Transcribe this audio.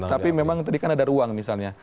tapi memang tadi kan ada ruang misalnya